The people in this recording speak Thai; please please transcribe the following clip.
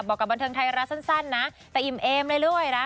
บอกกับบันเทิงไทยรัฐสั้นนะแต่อิ่มเอมเลยด้วยนะ